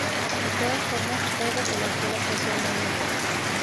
De todas formas, Ebert elogió la actuación de Mirren.